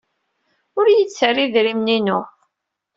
Ur iyi-d-terri idrimen-inu.